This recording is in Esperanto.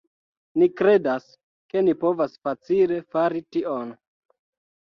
Ni kredas, ke ni povas facile fari tion